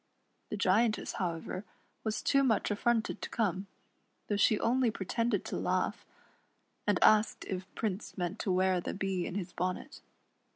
The Giantess, however, was too much affronted to come, tiiough she only pretended to laugh, and asked if Prince meant to wear the Bee in his bonnet.